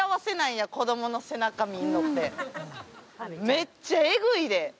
めっちゃエグいで。